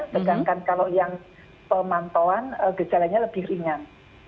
sedangkan kalau yang pemantauan gejalanya lebih ringan